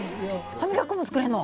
歯みがき粉も作れるの？